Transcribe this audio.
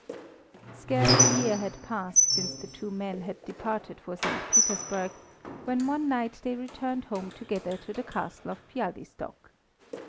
Scarce a year had passed since the two young men had departed for St. Petersburg, when one night they returned home together to the Castle of Bialystok.